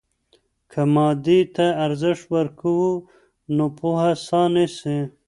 که مادیې ته ارزښت ورکوو، نو پوهه ساه نیسي.